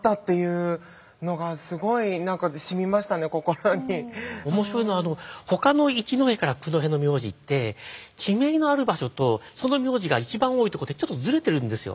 何か面白いのはほかの一戸から九戸の名字って地名がある場所とその名字が一番多い所ってちょっとずれてるんですよ。